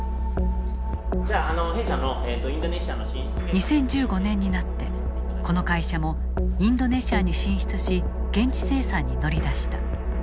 ２０１５年になってこの会社もインドネシアに進出し現地生産に乗り出した。